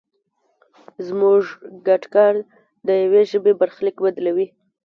زموږ ګډ کار د یوې ژبې برخلیک بدلوي.